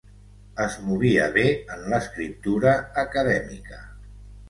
Es movia bé en l'escriptura acadèmica.